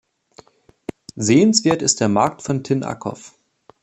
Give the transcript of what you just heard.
Sehenswert ist der Markt von Tin-Akoff.